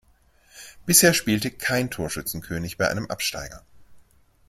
Bisher spielte kein Torschützenkönig bei einem Absteiger.